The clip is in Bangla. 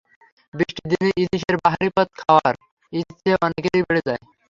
বৃষ্টির দিনে ইলিশের বাহারি পদ খাওয়ার ইচ্ছে অনেকেরই বেড়ে যায়।